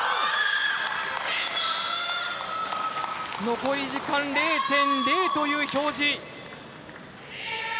残り時間０．０という表示。